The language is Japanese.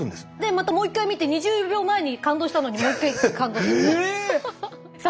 またもう一回見て２０秒前に感動したのにもう一回感動する。